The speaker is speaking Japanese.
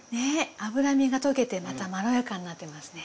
脂身が溶けてまたまろやかになってますね。